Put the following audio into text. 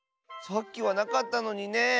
さっきはなかったのにねえ。